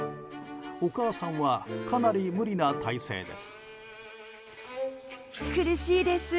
お母さんはかなり無理な体勢です。